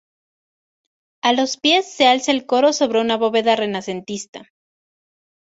A los pies se alza el coro sobre una bóveda renacentista.